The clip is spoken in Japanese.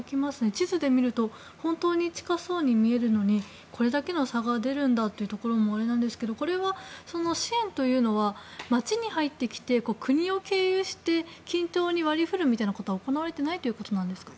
地図で見ると本当に近そうに見えるのに、これだけの差が出るんだと思うんですがこれは支援というのは街に入ってきて国を経由して均等に割り振るというのは行われていないんでしょうか。